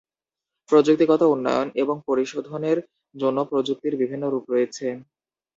প্রযুক্তিগত উন্নয়ন ও পরিশোধনের জন্য প্রযুক্তির বিভিন্ন রূপ রয়েছে।